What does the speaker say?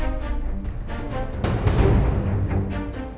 watur dirimu splitting om